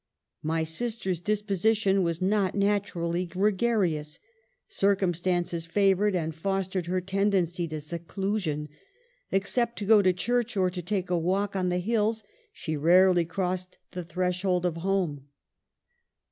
My sister's disposition was not naturally gregarious ; circumstances favored and fostered her tendency to seclusion ; except to go to church, or to take a walk on the hills, she rarely crossed the threshold of home.